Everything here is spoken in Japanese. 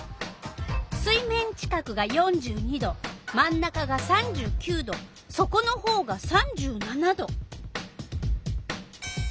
水面近くが４２℃真ん中が３９℃そこのほうが３７℃。